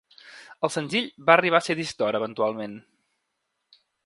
El senzill va arribar a ser disc d'or eventualment.